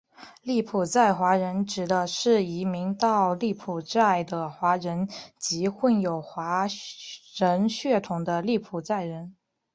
柬埔寨华人指的是移民到柬埔寨的华人及混有华人血统的柬埔寨人。